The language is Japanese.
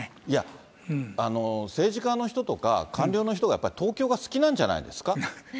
いや、政治家の人とか、官僚の人がやっぱり東京が好きなんじゃないですか。